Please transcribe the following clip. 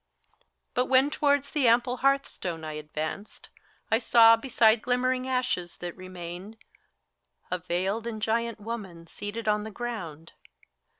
But when towards the ample hearth stone I advanced, I saw, beside the glimmering ashes that remained, A veiled and giant woman seated on the ground.